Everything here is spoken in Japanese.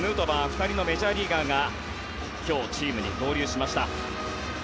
２人のメジャーリーガーが今日、チームに合流しました。